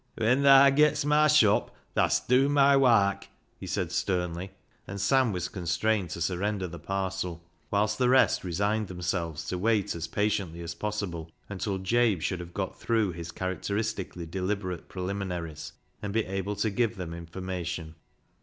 " When thaa gets my shop [appointment] tha'st dew my wark," he said sternly, and Sam was constrained to surrender the parcel, whilst i6 BECKSIDE LIGHTS the rest resigned themselves to wait as patiently as possible until Jabe should have got through his characteristically deliberate preliminaries and be ready to give them information.